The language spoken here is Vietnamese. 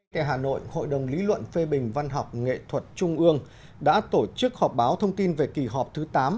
tại hà nội hội đồng lý luận phê bình văn học nghệ thuật trung ương đã tổ chức họp báo thông tin về kỳ họp thứ tám